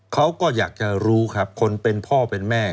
เขาก็อยากจะรู้ครับคนเป็นพ่อเป็นแม่